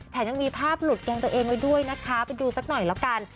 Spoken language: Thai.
แถมยังมีภาพหลุดแกงตัวเองไว้ด้วยนะคะไปดูสักหน่อยแล้วกัน